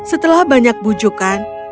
setelah banyak bujukan